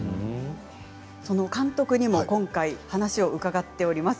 その監督にも今回話を伺っております。